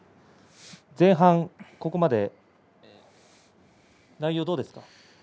前半、ここまで内容どうですか？